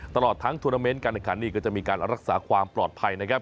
ตลอดทั้งทวนาเมนต์การแข่งขันนี่ก็จะมีการรักษาความปลอดภัยนะครับ